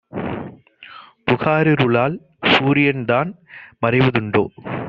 புகாரிருளால் சூரியன்தான் மறைவ துண்டோ?